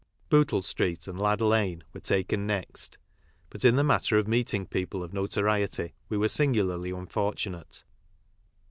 Bootle street and Lad lane were taken next, but in the matter of meeting people of notoriety we were singularly unfortunate.